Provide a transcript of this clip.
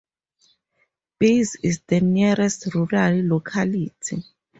Biz is the nearest rural locality.